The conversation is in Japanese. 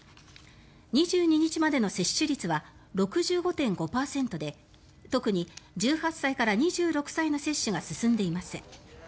２２日までの接種率は６５．５％で特に１８歳から２６歳の接種が進んでいません。